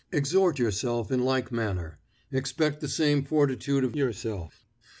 Exhort yourself in like manner; expect the same fortitude of yourself.